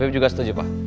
ya afif juga setuju pa